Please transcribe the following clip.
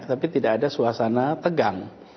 tapi tidak ada suasana tegang